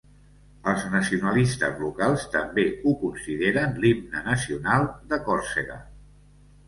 Els nacionalistes locals també ho consideren l'himne nacional de Còrsega.